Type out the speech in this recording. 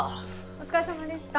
お疲れさまでした。